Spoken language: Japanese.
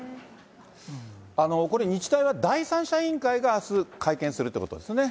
これ、日大は第三者委員会があす、会見するということですよね。